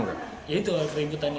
ya itu adalah keributan